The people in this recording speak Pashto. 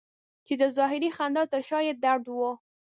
چې د ظاهري خندا تر شا یې درد و.